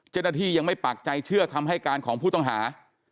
เจ้าหน้าที่ยังไม่ปากใจเชื่อคำให้การของผู้ต้องหา